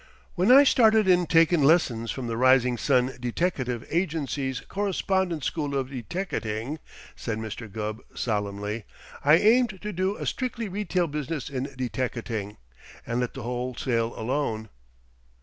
"When I started in takin' lessons from the Rising Sun Deteckative Agency's Correspondence School of Deteckating," said Mr. Gubb solemnly, "I aimed to do a strictly retail business in deteckating, and let the wholesale alone."